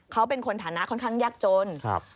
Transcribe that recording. เขาเป็นคนฐานะค่อนข้างยากจน